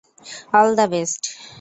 All the best.